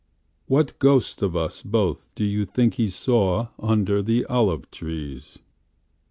What ghost of us both do you think he sawUnder the olive trees?